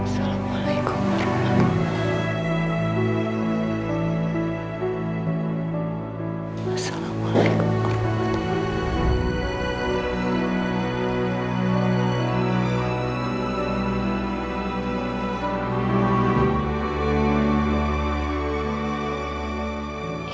assalamualaikum warahmatullahi wabarakatuh